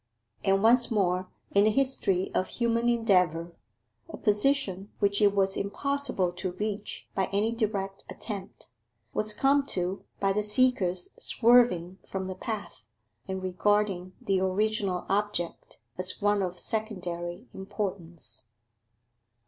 And, once more in the history of human endeavour, a position which it was impossible to reach by any direct attempt, was come to by the seeker's swerving from the path, and regarding the original object as one of secondary importance.